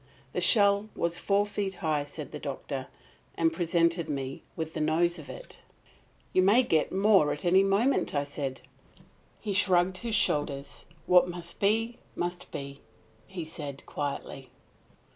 "The shell was four feet high," said the Doctor, and presented me with the nose of it. "You may get more at any moment," I said. He shrugged his shoulders. "What must be, must be," he said quietly.